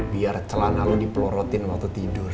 biar celana lo dipelorotin waktu tidur